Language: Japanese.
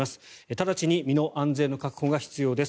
直ちに身の安全の確保が必要です。